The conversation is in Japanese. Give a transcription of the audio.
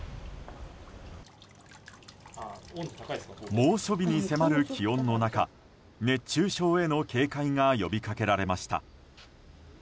猛暑日に迫る気温の中熱中症への警戒が呼びかけられました。